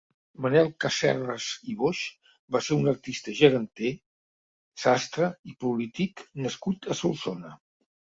Manel Casserres i Boix va ser un artista geganter, sastre i polític nascut a Solsona.